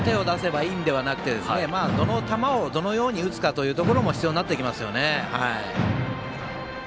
ただ手を出せばいいのではなくてどの球をどのように打つかも必要になってきますね。